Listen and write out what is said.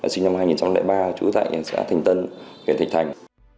sinh năm hai nghìn ba trú tại xã thành tân huyện thạch thành